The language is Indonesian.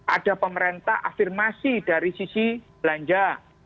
ada pemerintah afirmasi dari sisi belanja